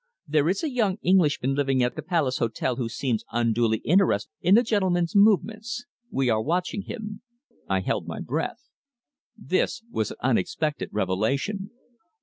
There is a young Englishman living at the Palace Hotel who seems unduly interested in the gentleman's movements. We are watching him." I held my breath. This was an unexpected revelation.